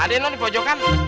ada yang di pojokan